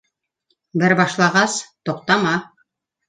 — Бер башлағас, туҡтама